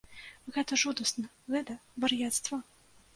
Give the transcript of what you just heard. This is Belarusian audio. Гэта жудасна, гэта вар'яцтва!